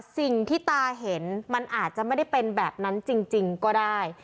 สิ่งที่ตาเห็นมันอาจจะไม่ได้เป็นแบบนั้นจริงก็ได้